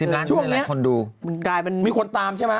๑๐ล้านช่วงนี้มีคนตามใช่ไหม